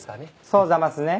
そうざますね。